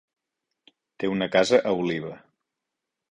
Té una casa a Oliva.